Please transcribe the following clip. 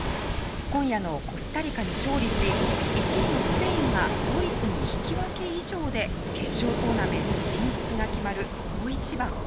今夜のコスタリカに勝利し１位のスペインがドイツに引き分け以上で決勝トーナメント進出が決まる大一番。